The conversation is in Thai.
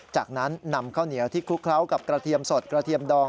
จากนั้นนำข้าวเหนียวที่คลุกเคล้ากับกระเทียมสดกระเทียมดอง